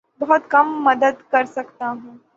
بہت کم مدد کر سکتا ہوں